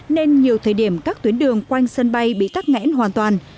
nên nhiều thời điểm các tuyến đường quanh sân bay bị tắt ngẽn hoàn toàn